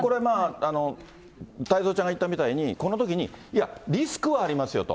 だから、これ、太蔵ちゃんが言ったみたいに、このときに、いや、リスクはありますよと。